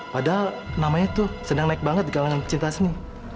padahal namanya tuh sedang naik banget di kalangan pecinta seni